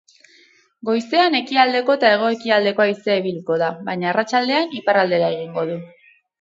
Goizean ekialdeko eta hego-ekialdeko haizea ibiliko da, baina arratsaldean iparraldera egingo du.